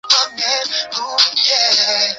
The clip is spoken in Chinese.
博纳克。